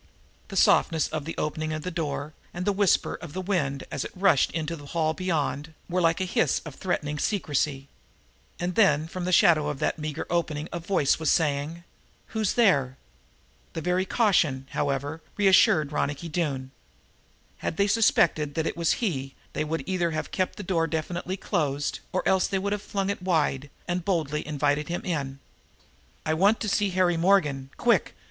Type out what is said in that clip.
The softness of the opening of the door and the whisper of the wind, as it rushed into the hall beyond, were like a hiss of threatening secrecy. And then, from the shadow of that meager opening a voice was saying: "Who's there?" The very caution, however, reassured Ronicky Doone. Had they suspected that it was he they would either have kept the door definitely closed, or else they would have flung it open and boldly invited him in. "I want to see Harry Morgan quick!"